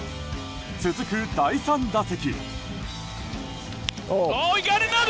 続く第３打席。